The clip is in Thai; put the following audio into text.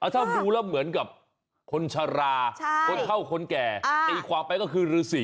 ถ้าดูเหมือนกับคนชราคนเจ้าคนแก่ณอีกความไปก็คือรูสี